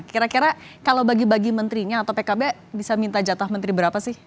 kira kira kalau bagi bagi menterinya atau pkb bisa minta jatah menteri berapa sih